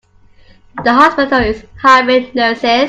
The hospital is hiring nurses.